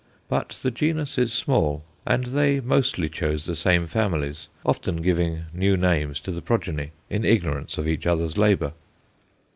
But the genus is small, and they mostly chose the same families, often giving new names to the progeny, in ignorance of each other's labour.